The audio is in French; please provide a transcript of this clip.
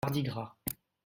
Mardi gras.